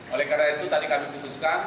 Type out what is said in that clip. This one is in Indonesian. oleh karena itu tadi kami putuskan